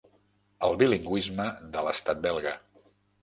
El bilingüisme de l'estat belga.